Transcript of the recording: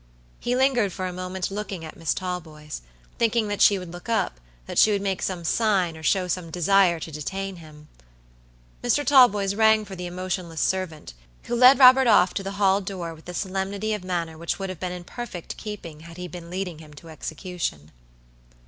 He lingered for a moment looking at Miss Talboys, thinking that she would look up, that she would make some sign, or show some desire to detain him. Mr. Talboys rang for the emotionless servant, who led Robert off to the hall door with the solemnity of manner which would have been in perfect keeping had he been leading him to execution.